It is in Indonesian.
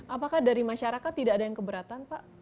apakah dari masyarakat tidak ada yang keberatan pak